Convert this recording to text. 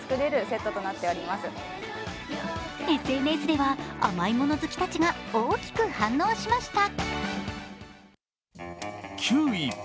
ＳＮＳでは、甘い物好きたちが大きく反応しました。